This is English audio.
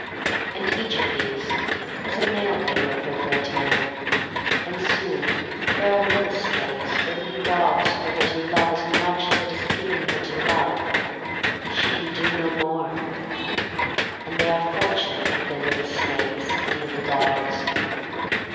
And each of these has a male thing with her for a time, and soon there are little snakes or little dogs for her to love as much as it is given her to love — she can do no more. And they are fortunate with their little snakes and little dogs.